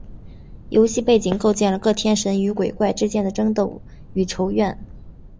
游戏背景构建了各天神与鬼怪之间的争斗与仇怨。